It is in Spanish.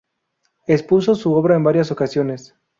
Expuso su obra en varias ocasiones.